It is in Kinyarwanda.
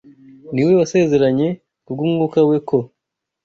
ni We wasezeranye kubw’Umwuka We ko